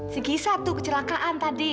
si gisa tuh kecelakaan tadi